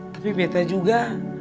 tapi betta juga